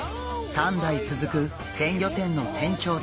３だいつづく鮮魚店の店長です。